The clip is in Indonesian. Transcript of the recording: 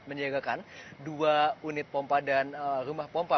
dan juga menjaga dua unit pompa dan rumah pompa